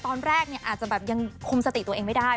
ตอนแรกเนี่ยอาจจะแบบยังคุมสติตัวเองไม่ได้